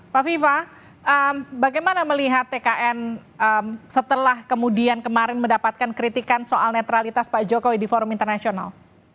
pak viva bagaimana melihat tkn setelah kemudian kemarin mendapatkan kritikan soal netralitas pak jokowi di forum internasional